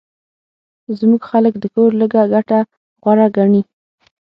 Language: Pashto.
زموږ خلک د کور لږه ګټه غوره ګڼي